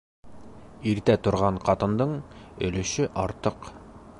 Иртә торған ҡатындың өлөшө артыҡ.